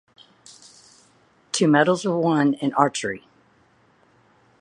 Two medals were won in archery.